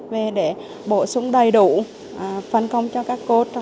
về để bổ sung đầy đủ phân công cho các cốt